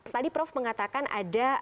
tadi prof mengatakan ada